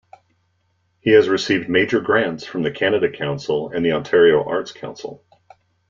He has received major grants from the Canada Council and the Ontario Arts Council.